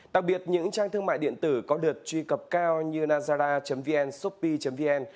đặc biệt những trang thương mại điện tử có được truy cập cao như nazara vn sopi vn